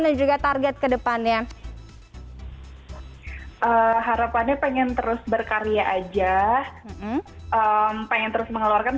dan juga target kedepannya harapannya pengen terus berkarya aja pengen terus mengeluarkan